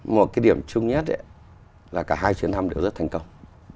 một cái điểm chung nhất là cả hai chuyến thăm đều rất thành công